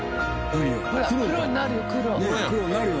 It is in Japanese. ほら黒になるよ。